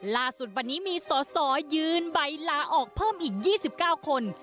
ล่าสุดวันนี้มีสอสอยืนใบลาออกเพิ่มอีก๒๙คน